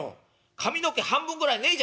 髪の毛半分ぐらいねえじゃねえか」。